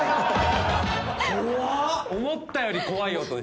思ったより怖い音。